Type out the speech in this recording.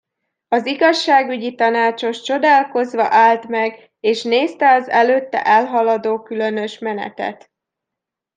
Az igazságügyi tanácsos csodálkozva állt meg, és nézte az előtte elhaladó különös menetet.